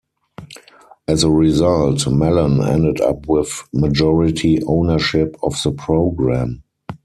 As a result, Mallon ended up with majority ownership of the program.